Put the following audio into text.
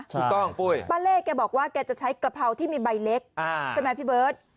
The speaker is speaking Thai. ถูกต้องปุ้ยป้าเล่แกบอกว่าแกจะใช้กะเพราที่มีใบเล็กใช่ไหมพี่เบิร์ต